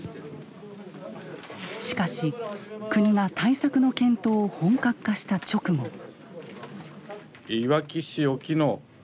しかし国が対策の検討を本格化した直後。